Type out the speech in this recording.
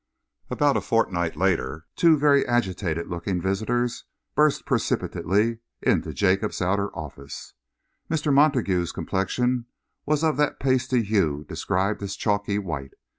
About a fortnight later, two very agitated looking visitors burst precipitately into Jacob's outer office. Mr. Montague's complexion was of that pasty hue described as chalky white.